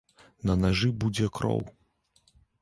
На нажы будзе кроў.